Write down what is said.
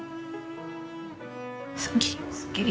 すっきり！